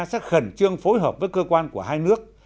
sẽ khẩn trương phối hợp với cơ quan của hai nước